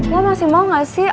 ya masih mau gak sih